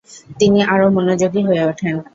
তিনি আরও মনোযোগী হয়ে ওঠেন।